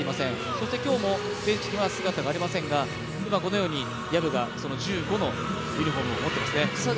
そして今日もベンチには姿がありませんが今、薮が１５のユニフォームを持っていますね。